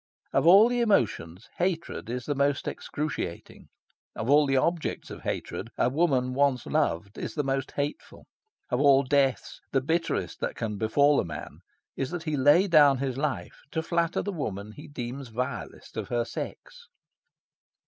Of all the emotions, hatred is the most excruciating. Of all the objects of hatred, a woman once loved is the most hateful. Of all deaths, the bitterest that can befall a man is that he lay down his life to flatter the woman he deems vilest of her sex.